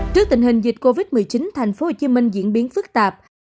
trước tình hình dịch covid một mươi chín tp hcm diễn biến phức tạp